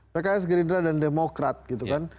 pks gerindra dan demokrat gitu kan